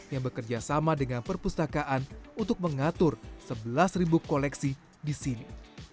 yang bekerjasama dengan perpustakaan untuk mengatur sebelas ribu koleksi di sini